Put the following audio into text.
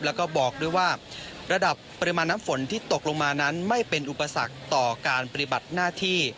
แล้วก็บอกด้วยว่าระดับปริมาณน้ำฝนที่ตกลงมานั้นไม่เป็นอุปสรรคต่อการปฏิบัติหน้าที่